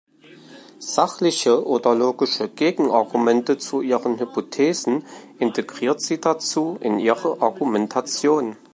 Sachliche oder logische Gegenargumente zu ihren Hypothesen integriert sie dazu in ihre Argumentation.